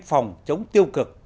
phòng chống tiêu cực